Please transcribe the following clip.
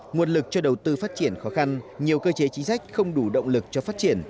nguồn lực cho đầu tư phát triển khó khăn nhiều cơ chế chính sách không đủ động lực cho phát triển